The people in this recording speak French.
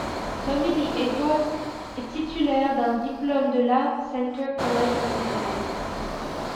Tommy Lee Edwards est titulaire d'un diplôme de l'Art Center College of Design.